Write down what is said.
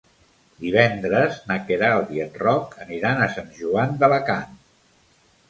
Divendres na Queralt i en Roc aniran a Sant Joan d'Alacant.